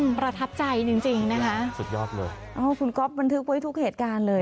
ประทับใจจริงจริงนะคะสุดยอดเลยอ๋อคุณก๊อฟบันทึกไว้ทุกเหตุการณ์เลย